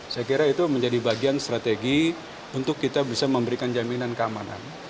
saya kira itu menjadi bagian strategi untuk kita bisa memberikan jaminan keamanan